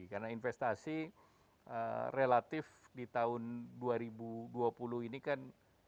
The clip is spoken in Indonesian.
karena investasi relatif di tahun dua ribu dua puluh ini kan